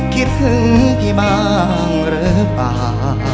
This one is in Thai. คิดถึงพี่บ้างหรือเปล่า